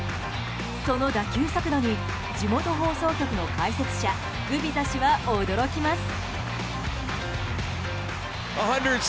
その打球速度に地元放送局の解説者グビザ氏は驚きます。